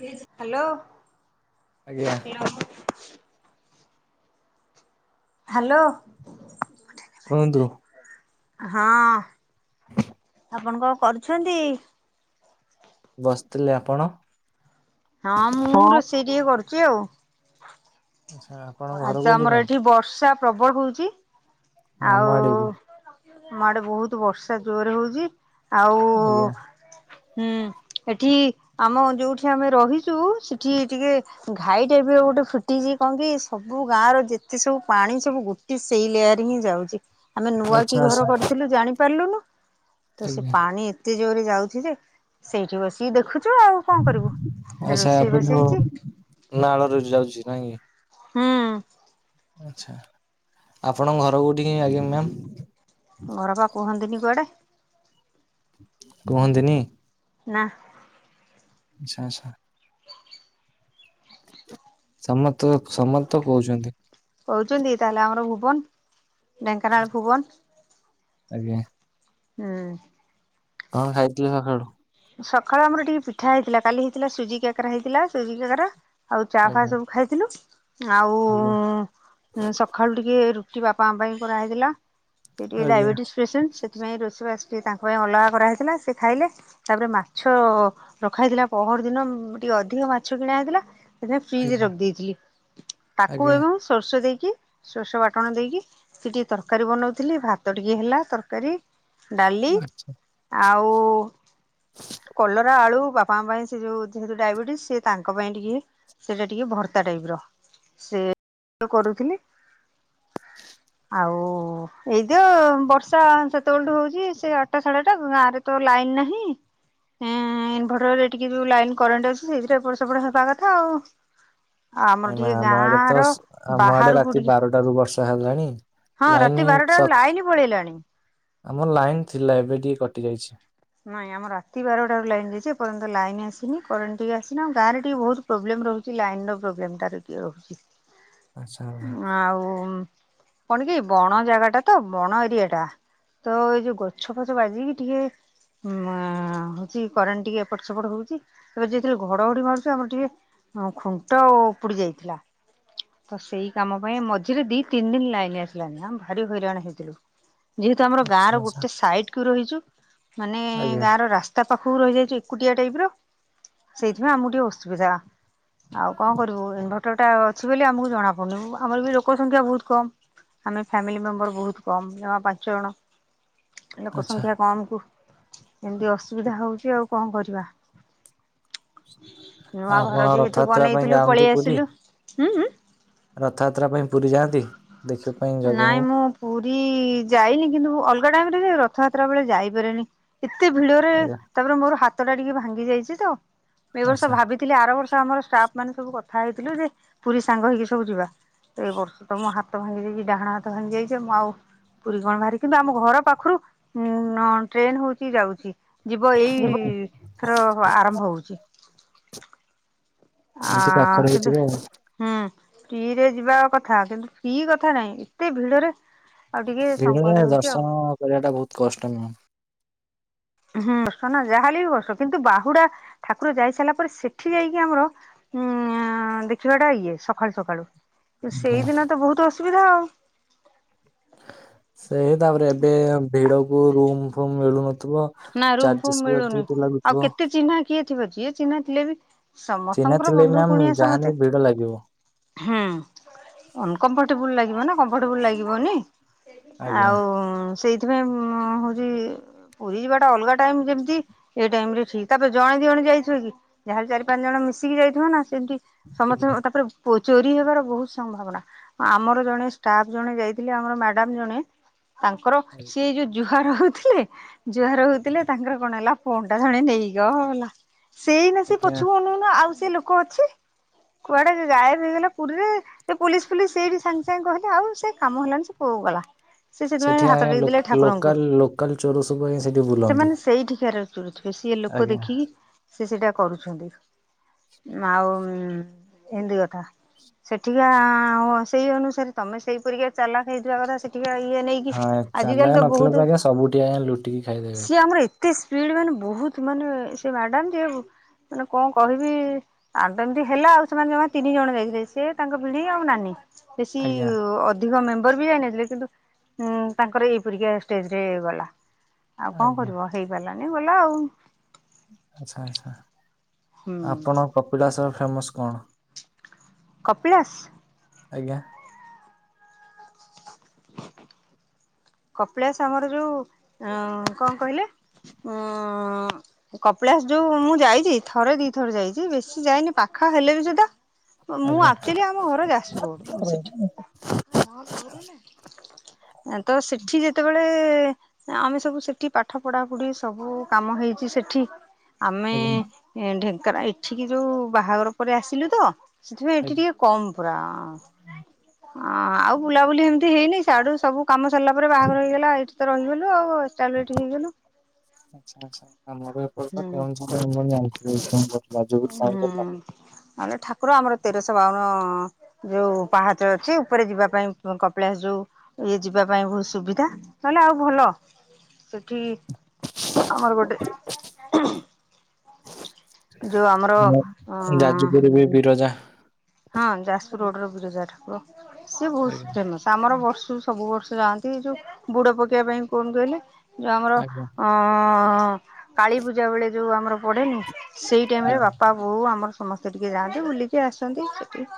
Hello. ଆଜ୍ଞା। ଲ-ଅ-ଅ hello. କୁହନ୍ତୁ। ହଁ। ଆପଣ କଣ କରୁଛନ୍ତି? ବସିଥିଲି। ଆପଣ? ହଁ, ମୁଁ ରୋଷେଇ ଟିକେ କରୁଛି ଆଉ। ଆଚ୍ଛା। ଆପଣଙ୍କ ଘର ଆଜି ତ କୋଉଠି ଆମର ମ୍ୟାମ୍? ଏଠି ବର୍ଷା ପ୍ରବଳ ହଉଛି। ଆମ ଆଉ-ଉ ଆଡିକି ଆମ ଆଡେ ବହୁତ ବର୍ଷା ଜୋରେ ହଉଛି। ଆଉ-ଉ, ଆଜ୍ଞା। ହୁଁ ଏଠି ଆମ ଯୋଉଠି ଆମେ ରହିଛୁ, ସେଠି ଟିକେ ଘାାଇ ଟାଇପ୍ ର ଗୋଟେ ଫିଟିଛି କଣ କି? ସବୁ ଗାଁ ର ଯେତେ ସବୁ ପାଣି ସବୁ ଗୋଟି ସେଇଲେଆର୍ ହିଁ ଯାଉଛି। ଆମେ ନୂଆ କି ଆଚ୍ଛା ଘର ଆଚ୍ଛା କରିଥିଲୁ ଜାଣିପାରିଲୁନୁ? ତ ସେ ଆଜ୍ଞା ପାଣି ଏତ୍ ଏତେ ଜୋରେ ଯାଉଛି ଯେ! ସେଇଠି ବସ୍ କି ଦେଖୁଛୁ ଆଉ କଣ କରିବୁ? ଏଡେ ଆଚ୍ଛା ରୋଷେଇ ଆପଣ ବସେଇଛି ନାଳରେ ଯଉ, ଯାଉଛି ନାଇଁ? ହୁଁ। ଆଚ୍ଛା, ଆପଣଙ୍କ ଘର କଉଠି କି ଆଜ୍ଞା ମ୍ୟାମ୍? ଘର ପା କୁହନ୍ତିନି କୁଆଡେ? କୁହନ୍ତିନି? ନା। ଆଚ୍ଛା ଆଚ୍ଛା। ସମସ୍ତ ସମସ୍ତେ ତ କହୁଛନ୍ତି। କହୁଛନ୍ତି ତାହେଲେ ଆମର ଭୁବନ। ଢେଙ୍କାନାଳ ଭୁବନ। ଆଜ୍ଞା। ହୁଁ। କଣ ଖାଇଥିଲେ ସକାଳୁ? ସକାଳୁ ଆମର ଟିକେ ପିଠା ହେଇଥିଲା। କାଲି ହେଇଥିଲା ସୁଜି କାକରା ହେଇଥିଲା ସୁଜି କାକରା। ଆଉ ଚା ଫା ଆଜ୍ଞା। ସବୁ ଖାଇଥିଲୁ। ଆଉ ଆଜ୍ଞା ସ ସଖାଳୁ ଟିକେ ରୁଟି ବାପା ମା ପାଇଁ କରାହେଇଥିଲା। ସେ ଟିକେ ଆଜ୍ଞା ଡାଇବେଟିସ୍ ପେସେଣ୍ଟ ସେଥିପାଇଁ ରୋଷେଇବାସ୍ ସିଏ ତାଙ୍କ ପାଇଁ ଅଲଗା କରାହେଇଥିଲା ସେ ଖାଇଲେ। ତାପରେ ମାଛ ରଖା ହେଇଥିଲା ପହର ଦିନ ଟିକେ ଅଧିକ ମାଛ କିଣା ହେଇଥିଲା ସେ ଫ୍ରିଜରେ ଆଜ୍ଞା ରଖିଦେଇଥିଲି। ତାକୁ ଆଜ୍ଞା ଏବଂ ସୋରିଷ ଦେଇକି ସୋରିଷ ବାଟଣ ଦେଇକି ସେ ଟିକେ ତରକାରୀ ବନଉଥିଲି। ଭାତ ଟିକେ ହେଲା ତରକାରୀ ଡାଲି ଆଚ୍ଛା। ଆଉ କଲରା ଆଳୁ ବାପାଙ୍କ ପାଇଁ ସେ ଯୋଉ ଯେହେତୁ ଡାଇବେଟିସ ସେ ତାଙ୍କ ପାଇଁ ଟିକେ ସେଇଟା ଟିକେ ଭର୍ତ୍ତା ଟାଇପର। ସେଇଆ କୁ କରୁଥିଲି [inaudible] ଆଉ ଏଇତ ବର୍ଷା ସେତେବେଳଠୁ ହଉଚି। ସେ ଆଠଟା ସାଢେ ଆଠ ଟା ଗାଁ ରେ ତ ଲାଇନ ନାହିଁ ଏଁ ଇନଭରଟର ରେ ଟିକେ ଯୋଉ ଲାଇନ କରେଣ୍ଟ ଅଛି ସେଇଥିରେ ଏପଟ ସେପଟ ହେବା କଥା ଆଉ। ଆଉ ଆମର ନାଇଁ ମା ଟିକେ ଆମ ଆଡେ ଗାଁ ତ ର ଆମ ଆଡେ ବାହାରକୁ ରାତି ଟିକେ ବାରଟାରୁ ବର୍ଷା ହେଲାଣି। ହଁ ଲାଇନ ରାତି ବାରଟା ବେଳୁ ସକ୍ ଲାଇନ ପଳେଇଲାଣି। ଆମର ଲାଇନ ଥିଲା ଏବେ ଟିକେ କଟି ଯାଇଛି। ନାଇଁ ଆମର ରାତି ବାରଟାରୁ ଲାଇନ ଯାଇଚି। ଏ ପର୍ଯ୍ୟନ୍ତ ଲାଇନ ଆସିନି କରେଣ୍ଟ ଟିକେ ଆସିନି। ଆଉ ଗାଁରେ ଟିକେ ବହୁତ ପ୍ରୋବ୍ଲେମ ରହୁଛି ଲାଇନ ର ପ୍ରୋବ୍ଲେମ ଟା ଟିକେ ରହୁଛି। ଆଚ୍ଛା। ଆଉ କଣ କି ବଣ ଜାଗା ଟା ତ ବଣ ଏରିଆ ଟା। ତ ଏଇ ଯୋଉ ଗଛ ଫଛ ବାଜିକି ଟିକେ ମ ହଉଛି କରେଣ୍ଟ ଟିକେ ଏପଟ ସେପଟ ହଉଚି। ତ ଯେତେବେଳେ ଘଡଘଡି ମାରୁଛି ଆମର ଟିକେ ହଁ ଖୁଣ୍ଟ ଉପୁଡି ଯାଇଥିଲା। ତ ସେଇ କାମ ପାଇଁ ମଝିରେ ଦି ତିନି ଦିନ ଲାଇନ ଆସିଲାନି ଆମେ ଭାରି ହଇରାଣ ହେଇଥିଲୁ। ଯେହେତୁ ଆମର ଗାଁ ଆଚ୍ଛା ର ଆଚ୍ଛା ଗୋଟେ ସାଇଟ କି ରହିଚୁ ମାନେ ଆଜ୍ଞା ଗାଁ ର ରାସ୍ତା ପାଖକୁ ରହିଯାଇଚି ଏକୁଟିଆ ଟାଇପ ର ସେଇଥିପାଇଁ ଆମକୁ ଟିକେ ଅସୁବିଧା। ଆଉ କଣ କରିବୁ ଇନଭର୍ଟର ଟା ଅଛି ବୋଲି ଆମକୁ ଜଣା ପଡୁନି। ଆମର ବି ଲୋକ ସଂଖ୍ୟା ବହୁତ କମ୍। ଆମେ ଫ୍ୟାମିଲି ମେମ୍ବର ବହୁତ କମ୍। ଜମା ପାଞ୍ଚ ଜଣ। ଲୋକ ଆଚ୍ଛା ସଂଖ୍ୟା କମ କୁ ଏମିତି ଅସୁବିଧା ହଉଛି ଆଉ କଣ କରିବା। ଆଉ ନୂଆ ଆପଣ ଘର ଯେହେତୁ ରଥଯାତ୍ରା ପାଇଁ ବନେଇଥିଲୁ ଯାଆନ୍ତି ପଳେଇ ପୁରୀ? ଆସିଲୁ। ଉଁ ଉଁ ରଥଯାତ୍ରା ପାଇଁ ପୁରୀ ଯାଆନ୍ତି ଦେଖି ନାଇଁ ମୁଁ ପୁରୀ ଯାଇନି। କିନ୍ତୁ ଅଲଗା ଟାଇମ ରେ ଯାଏ। ରଥଯାତ୍ରା ବେଳେ ଯାଇପାରେନି। ଏତେ ଭିଡରେ ଆଜ୍ଞା ତାପରେ ମୋର ହାତ ଟା ଟିକେ ଭାଙ୍ଗି ଯାଇଛି ତ, ଏ ବର୍ଷ ଆଚ୍ଛା ଭାବି ଥିଲେ ଆର ବର୍ଷ ଆମର ଷ୍ଟାଫ୍ ମାନେ ସବୁ କଥା ହେଇଥିଲୁ ଯେ ପୁରୀ ସାଙ୍ଗ ହେଇକି ସବୁ ଯିବା। ଏଇ ବର୍ଷ ତ ମୋ ହାତ ଭାଙ୍ଗି ଯାଇଚି ଡାହାଣ ହାତ ଭାଙ୍ଗି ଯାଇଚି ମୁଁ ଆଉ ପୁରୀ କଣ ବାହାରିବି। କିନ୍ତୁ ଆମ ଘର ପାଖରୁ ଉଁ ଟ୍ରେନ ହଉଚି ଯାଉଚି। ଯିବ ଏଇଥର ଆରମ୍ଭ ହଉଚି। ଆ ଏମିତି ପାଖରେ କିନ୍ତୁ ହେଇଥିବ ଆଉ ହୁଁ ଫ୍ରି ରେ ଯିବା କଥା କିନ୍ତୁ ଫ୍ରି କଥା ନାହିଁ ଏତେ ଭିଡରେ ଆଉ ଟିକେ ଭିଡରେ ସଙ୍କୋଚ ହଉଛି ଆଉ। ଦର୍ଶନ କରିବା ଟା ବହୁତ କଷ୍ଟ। ନୁହଁ। ହୁଁ ବସ ନା ଯାହାହେଲେ ବି ବର୍ଷ, କିନ୍ତୁ ବାହୁଡା ଠାକୁର ଯାଇ ସାରିଲା ପରେ ସେଠି ଯାଇକି ଆମର ଉଁ ଦେଖିବାଟା ଇଏ ସକାଳୁ ସକାଳୁ, ସେଇଦିନ ତ ବହୁତ ଅସୁବିଧା ଆଉ। ସେ ତାପରେ ଏବେ ଭିଡକୁ ରୁମ ଫୁମ ମିଳୁନଥିବ। ନା ରୁମ୍ ଫୁମ ଚାର୍ଜେସ୍ ବି ମିଳୁନି। ଅଧିକ ଲାଗୁଥିବ ଆଉ କେତେ ଚିହ୍ନା କିଏ ଥିବେ, ଯିଏ ଚିହ୍ନା ଥିଲେ ବି ଚିହ୍ନା ସମସ୍ତଙ୍କର ଥିଲେ ବନ୍ଧୁ ମ୍ୟାମ କୁଣିଆ ଯାହାଲେ ବି ସମସ୍ତେ ଭିଡ ଲାଗିବ ହୁଁ ଅନକମ୍ଫର୍ଟେବୁଲ ଲାଗିବ ନା, କମ୍ଫର୍ଟେବୁଲ ଲାଗିବନି। ଆଜ୍ଞା। ଆଉ ସେଇଥିପାଇଁ ହଉଛି ପୁରୀ ଯିବାଟା ଅଲଗା ଟାଇମ୍ ଯେମିତି, ଏଇ ଟାଇମ ରେ ଠିକ। ତାପରେ ଜଣେ ଦି ଜଣେ ଯାଇଥିବେ କି? ଯାହାହେଲେ ଚାରି ପାଞ୍ଚ ଜଣ ମିଶିକି ଯାଇଥିବେ ନା। ସେମିତି ସମସ୍ତେ ଆଜ୍ଞା ତାପରେ ଚୋ ଚୋରି ହେବାର ବହୁତ ସମ୍ଭାବନା। ଆମର ଜଣେ ଷ୍ଟାଫ ଜଣେ ଯାଇଥିଲେ, ଆମର ମ୍ୟାଡାମ ଜଣେ। ତାଙ୍କର ସିଏ ଯୋଉ ଜୁହାର ହଉଥିଲେ ଜୁହାର ହଉଥିଲେ ତାଙ୍କର କଣ ହେଲା, ଫୋନ ଟା ଜଣେ ନେଇଗଲା। ସେଇନା ସେ ଆଜ୍ଞା। ପୋଛକୁ ଅନଉ ଅନଉ, ଆଉ ସେ ଲୋକ ଅଛି? କୁଆଡେ ଗାଏବ ହେଇଗଲା ପୁରୀରେ। ସେ ପୋଲିସ ଫୁଲିସ ସେଇଠି ସାଙ୍ଗେ ସାଙ୍ଗେ କହିଲେ, ଆଉ ସେ କାମ ହେଲାନି ସେ କୋଉକୁ ଗଲା। ସେ ସେଥିପାଇଁ ହାତ ଆଜ୍ଞା ଟେକି ଦେଲେ ଲୋକ୍ ଠାକୁରଙ୍କୁ ଲୋକାଲ୍ ଲୋକାଲ୍ ଚୋର ସବୁ ଆଜ୍ଞା ସେଠି ବୁଲନ୍ତି ସେମାନେ ସେଇଠିକାର [unintelligible] ସିଏ ଲୋକ ଆଜ୍ଞା। ଦେଖିକି ସିଏ ସେଇଟା କରୁଛନ୍ତି। ଆଉ ଏମିତି କଥା। ସେଠିକା ସେଇ ଅନୁସାରେ, ତମେ ସେଇପରିକା ଚାଲାକ ହେଇଥିବା କଥା ସେଠ ଟିକା ଇଏ ନେଇକି ଆଜିକାଲି ତ ବହୁତ ସବୁ ଠିଆ ହେଲୁ ସିଏ ଆମର ଏତେ ସ୍ପିଡ ମାନେ, ବହୁତ ମାନେ ସେ ମ୍ୟାଡାମ ଯେ ମାନେ କଣ କହିବି? ଆଉ ଏମିତି ହେଲା ଆଉ, ସେମାନେ ଜମା ତିନି ଜଣ ଯାଇଥିଲେ ସେ ତାଙ୍କ ଭିଣେଇ ଆଉ ନାନୀ। ବେଶି ଆଜ୍ଞା ଅ ଅଧିକ ମେମ୍ବର ବି ଯାଇନଥିଲେ, କିନ୍ତୁ ଉଁ ତାଙ୍କର ଏଇ ପରିକା ଷ୍ଟେଜରେ ଗଲା। ଆଉ କଣ ଆଜ୍ଞା କରିବ, ହେଇପାରିଲାନି ଗଲା ଆଉ। ଆଛା ଆଛା ହୁଁ ଆପଣଙ୍କ କପିଳାସର ଫେମସ କଣ? କପିଳାସ? ଆଜ୍ଞା। କପିଳାସ ଆମର ଯୋଉ କଣ କହିଲେ? ଉ କପିଳାସ ଯୋଉ ମୁଁ ଯାଇଛି, ଥରେ ଦି ଥର ଯାଇଛି। ବେଶୀ ଯାଇନି ପାଖ ହେଲେ ବି ସୁଧା ମୁଁ ଆଜ୍ଞା ଆକ୍ଚୁଆଲି ଆମ ଘର ଯାଜପୁର ରୋଡ଼, ସେଠି ତ ସେଠି ଯେତେବେଳେ ଆମେ ସବୁ ସେଠି ପାଠ ପଢାପଢି ସବୁ କାମ ହେଇଛି ସେଠି। ଆମେ ଆଜ୍ଞା ଢେଙ୍କାନା, ଏଠିକି ଯୋଉ ବାହାଘର ପରେ ଆସିଲୁ ତ। ସେଥିପାଇଁ ଏଠି ଆଜ୍ଞା। ଟିକେ କମ୍ ପୁରା ଆଉ ବୁଲାବୁଲି ଏମିତି ହେଇନି, ସିଆଡୁ ସବୁ କାମ ସରିଲା ତାପରେ ବାହାଘର ହେଇଗଲା, ଏଇଠି ତ ରହିଗଲୁ ଆଉ ଏଷ୍ଟାବ୍ଲିସ ହେଇଗଲୁ। ଆଛା ଆଛା ଆମର ଏପଟେ ତ ହୁଁ କେଉଁଝର୍ ଆପଣ ଜାଣିଥିବେ। [unintelligible] ଯାଜପୁର ସାଇଡ [unintelligible] [unintelligible] ଠାକୁର ଆମର ତେରଶହ ବାଉନ ଯୋଉ ପାହାଚ ଅଛି, ଉପରେ ଯିବା ପାଇଁ କପିଳାସ ଯୋଉ ଇଏ ଯିବା ପାଇଁ ବହୁତ ସୁବିଧା, ନହେଲେ ଆଉ ଭଲ। ସେଠି ଆମର ଗୋଟେ [inaudible] [inaudible] ଯୋଉ ଆମର ଯା ଅଁ ଯାଜୁପୁରରେ ବି ବିରଜା। ହଁ ଯାଜପୁର ରୋଡର ବିରଜା, ଠାକୁର ସିଏ ଆଜ୍ଞା ବହୁତ ଫେମସ୍। ଆମର ବର୍ଷୁ ସବୁ ବର୍ଷ ଯାଆନ୍ତି, ଏ ଯୋଉ ବୁଡ଼ ପକେଇବା ପାଇଁ କଣ କହିଲେ ଯୋଉ ଆମର ଆଜ୍ଞା ଅଁ କାଳୀପୂଜା ବେଳେ ଯୋଉ ଆମର ପଡେନି, ସେଇ ଟାଇମରେ ଆଜ୍ଞା ବାପା ବୋଉ ଆମର ସ ସମସ୍ତେ ଟିକେ ଯାଆନ୍ତି, ବୁଲିକି ଆସନ୍ତି ସେଠି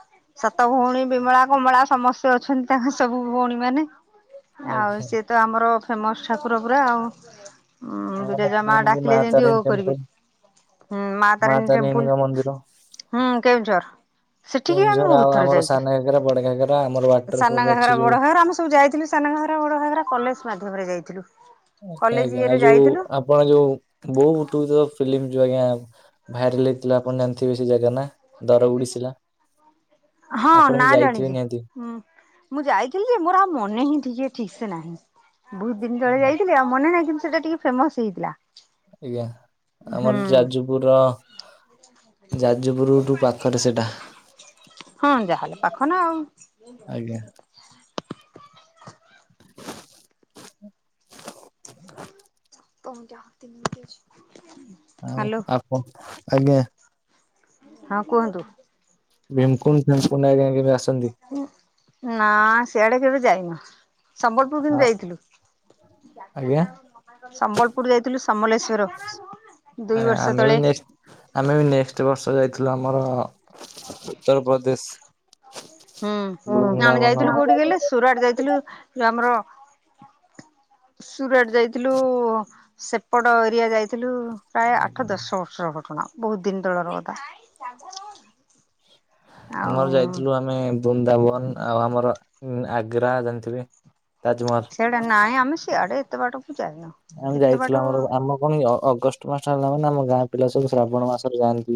ସାତ ଭଉଣୀ ବିମଳା କମଳା ସମସ୍ତେ ଅଛନ୍ତି ତାଙ୍କ ସବୁ ଭଉଣୀ ମାନେ। ଆଉ ଆଜ୍ଞା। ସିଏ ତ ଆମର ଫେମସ୍ ଠାକୁର ପୁରା ଆଉ। ହୁଁ ଆମର ଏପଟେ ଜେଜେମା ଯେମିତି ମା ଡାକିଲେ ଯେମିତି ଓ ତାରିଣୀ କରିବେ। ଟେମ୍ପଲ୍ ହୁଁ ମା ତାରିଣୀ ଟେମ୍ପୁଲ ତାରିଣୀଙ୍କ ମନ୍ଦିର। ହୁଁ କେଉଁଝର। ସେଠିକି ବି ଆମେ କେଉଁଝର ବହୁତ ଆଉ ଥର ଆମର ଯାଇଛୁ ସାନ ଘାଗରା ବଡ ଘାଗରା ଆମର ୱାଟରଫଲ୍ ସାନ ଅଛି ଘାଘରା ଯୋଉ ବଡ ଘାଘରା ଆମେ ସବୁ ଯାଇଥିଲୁ ସାନ ଘାଗରା ବଡ ଘାଗରା କଲେଜ ମାଧ୍ୟମରେ ଯାଇଥିଲୁ। ଆଜ୍ଞା କଲେଜ ଆଜ୍ଞା ଇଏରେ ଆଉ ଯୋଉ ଯାଇଥିଲୁ ଆପଣ ଯୋଉ ବୋଉ ବୁଟୁ ଭୂତ ଫିଲ୍ମ ଯୋଉ ଆଜ୍ଞା ଭାଇରଲ ହେଇଥିଲା ଆପଣ ଜାଣିଥିବେ ସେ ଜାଗା ନା ଦର ଉଡିସିଲା ହଁ ନା ଜାଣିଛଁ ନିହାତି। ମୁଁ ଯାଇଥିଲି ଯେ ମୋର ଆଉ ମନେ ହିଁ ଟିକେ ଠିକ୍ ସେ ନାହିଁ। ବହୁତ ଦିନ ତଳେ ଯାଇଥିଲି ଆଉ ମନେ ନାହିଁ କିନ୍ତୁ ସେଟା ଟିକେ ଫେମସ ହେଇଥିଲା। ଆଜ୍ଞା ହୁଁ। ଆମର ଯାଜୁ ପୁର ଯାଜପୁର ରୁ ପାଖରେ ସେଟା। ହଁ ଯାହାହେଲେ ପାଖ ନା ଆଉ। ଆଜ୍ଞା। [inaudible] ଆଉ ଆପଣ ଆଜ୍ଞା। ହଁ କୁହନ୍ତୁ? ଭିମକୁଣ୍ଡ ଫିମକୁ ଆଁ କେବେି ଆସନ୍ତି? ନା ସିଆଡେ କେବେ ଯାଇନୁ। ସମ୍ବଲପୁର ଆ କିନ୍ତୁ ଯାଇଥିଲୁ। ଆଜ୍ଞା ସମ୍ବଲପୁର ଯାଇଥିଲୁ ସମଲେଶଵର ଦୁଇ ଆଜ୍ଞା ବର୍ଷ ଆମେ ବି ତଳେ। ନେକ୍ସଟ ଆମେ ବି ନେକ୍ସଟ ବର୍ଷ ଯାଇଥିଲୁ ଆମର ଉତ୍ତରପ୍ରଦେଶ। ହୁଁ ଆମେ ବୃନ୍ଦାବନ ଯାଇଥିଲୁ କୋଉଠି ଗଲେ ସୁରାଟ ଯାଇଥିଲୁ ଆମର ସୁରଟ ଯାଇଥିଲୁ ସେପଡ ଏରିଆ ଯାଇଥିଲୁ। ପ୍ରାୟ ଆଠ ଆଜ୍ଞା। ଦଶ ବର୍ଷ ଘଟଣା ବହୁତ ଦିନ ତଳର ଗଧା। ଆଉ ଆମର ଯାଇଥିଲୁ ଆମେ ଆମେ ବୃନ୍ଦାବନ ଆଉ ଆମର ଆଗ୍ରା ଜାଣିଥିବେ ତାଜମହଲ। ସେଇଟା ନାଇଁ ଆମେ ସିଆଡେତେ ବାଟକୁ ଯାଇନ। ଆମେ ଯାଇଥିଲୁ ଆମର ଆମ କଣ ଅଗଷ୍ଟ ମାସ ହେଲା ମାନେ ଆମ ଗାଁ ପିଲା ସବୁ ଶ୍ରାବଣ ମାସରେ ଯାଆନ୍ତିୁ।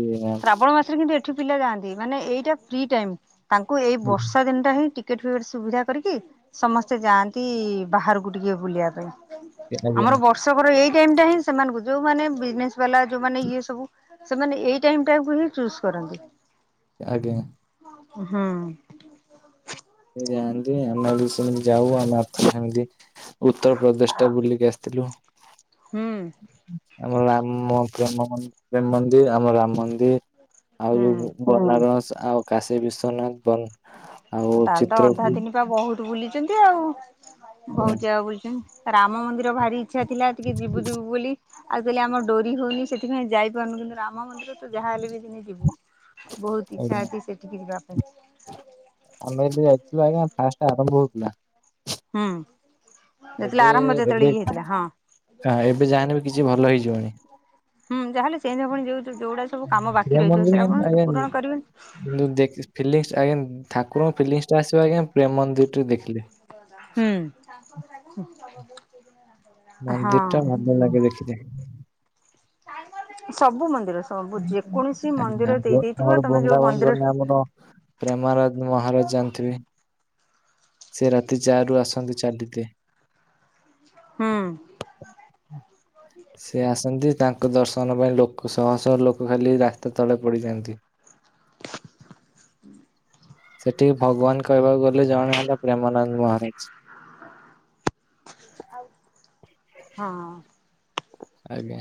ଶ୍ରାବଣ ମାସରେ କିନ୍ତୁ ଏଠି ପିଲା ଯାଆନ୍ତି ମାନେ ଏଇଟା ଫ୍ରି ଟାଇମ ତାଙ୍କୁ ଏଇ ବର୍ଷା ଦିନଟା ହିଁ ଟ ଟିକେଟ ଫିକେଟ ସୁବିଧା କରିକି ସମସ୍ତେ ଯାଆନ୍ତି ବାହାରକୁ ଟିକେ ବୁଲିବା ପାଇଁ। ଆଜ୍ଞା ଆମର ବର୍ଷକର ଏଇ ଟାଇମ ଟା ହିଁ ସେମାନଙ୍କୁ ଯୋଉମାନେ ବିଜନେସ ବାଲା ଯୋଉମାନେ ଇଏ ସବୁ ସେମାନେ ଏଇ ଟାଇମ ଟାଇକୁ ହିଁ ଚୁଜ କରନ୍ତି। ଆଜ୍ଞା। ହୁଁ। ସେ ଯାଆନ୍ତି ଆମେ ବି ସେମିତି ଯାଉ ଆମ ସେମିତି। ଉତ୍ତର ପ୍ର୍ରଦେଶ ଟା ବୁଲିକି ଆସିଥିଲୁ। ହୁଁ। ଆମ ରାମମ ପ୍ରେମ ମନ୍ଦିର ଆମ ରାମ ମନ୍ଦିର ଆଉ ଯୋଉ ହୁଁ ବନାରସ ଆଉ କାଶୀ ବିଶ୍ଵନାଥ ବ ଆଉ ତାହେଲେ ତ ଅଧା ଚିତ୍ରକୁ ତିନି ବହୁତ ବୁଲିଛନ୍ତି ଆଉ ବହୁତ ଜାଗା ବୁଲିଛନ୍ତି ରାମ ମନ୍ଦିର ଭାରି ଇଛ ଥିଲା ଟିକେ ଯିବୁ ଯିବୁ ବୋଲି। ଆଉ କାଲି ଆମ ଡୋରି ହଉନି ସେଥିପାଇଁ ଯାଇପାରୁନୁ କିନ୍ତୁ ରାମ ମନ୍ଦିର ତ ଯାହାହଲେ ବି ଦିନେ ଯିବୁ। ବହୁତ ଇଚଛା ଆଜ୍ଞା ଅଛି ସେଠିକି ଯିବା ପାଇଁ। ଆମେ ଏବେ ଯାଇଥିଲୁ ଆଜ୍ଞା ଫାଷ୍ଟଟା ଆରମ୍ଭ ହଉଥିଲା। ହୁଁ ଯେତେବେଳେ ଆରମ୍ଭ ଯେତେବେଳେ ଇଏ ହେଇଥିଲା ହଁ। ହ ଏବେ ଯାହାନେ ବି କିଛି ଭଲ ହେଇଯିବଣି। ହୁଁାହେଲେ ସେମତି ଆପଣ ଯେଉ ଯଉୁା ସବୁ କାମ ବାକିହିଥିବ ସେଟାପଣ ସେ ପୂରଣ କରିବେି। କିନ୍ତୁଖ ଫିଙ୍ଗ ଆଜ୍ଞା ଠାକୁରଙ୍କ ଫିଲିଙ୍ଗସ ଟା ଆସିବ ଆଜ୍ଞା ପ୍ରେମ ମନ୍ଦିର ରେ ଦେଖିଲେ। ହୁଁ। ମନ୍ଦିର ଟା ହଁ ଭଲ ଲାଗେ ଦେଖିତେ। ସବୁ ମନ୍ଦିର ସବୁ ଯେକୌଣସି ମନ୍ଦିର ଦେଇ ଦେଇଥିବ। ତୋମେ ଯୋଉ ମନ୍ଦିର ବଡ ପ୍ରେମାରାଜ ମହାରାଜ ଜାଣିଥିବେ? ସେ ରାତି ଚାରି ରୁ ଆସନ୍ତି ଚାଲିିତେ। ହୁଁ। ସେ ଆସନ୍ତି ତାଙ୍କ ଦର୍ଶନ ପାଇଁ ଲୋକ ଶହ ଶହ ଲୋକ ଖାଲି ରାସ୍ତା ତଳେ ପଡିଯାଆନ୍ତି। ହୁଁ ସେଠି ଭଗବାନ କହିବାକୁ ଗଲେ ଜଣେ ହେଲା ପ୍ରେମାନନ୍ଦ ମହାରାଜ। ହଁ। ଆଜ୍ଞା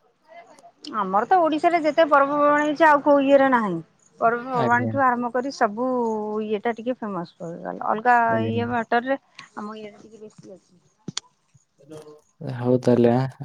ଘରେ ଖାଇବ। ଆମର ତ ଓଡିଶାରେ ଯେତେ ପର୍ବପର୍ବାଣି ଅଛି ଆଉ କୋଉ ଇଏରେ ନାହିଁ। ପର୍ବପର୍ବାଣି ଆଜ୍ଞା ଠୁ ଆରମ୍ଭ କରି ସବୁ ଇଏଟା ଟିକି ଫେମସ୍ କରିଗଲା। ଅଲଗା ଇଏ ଆଜ୍ଞା ମେଟର ରେ ଆମ ଇଆଡେ ଟିକେ ବେଶୀ ଅଛି। ଏ ହଉ ତାହାଲେ ଆ,